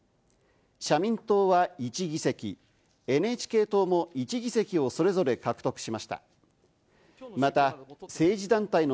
社民党は１議席、ＮＨＫ党も１議席をそれぞれ獲得しました。